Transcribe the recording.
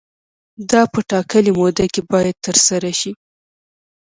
دا په ټاکلې موده کې باید ترسره شي.